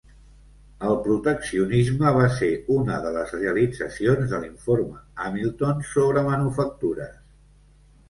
El proteccionisme va ser una de les realitzacions de l'informe Hamilton sobre manufactures.